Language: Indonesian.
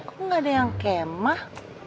kok nggak ada yang kemah